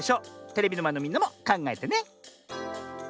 テレビのまえのみんなもかんがえてね。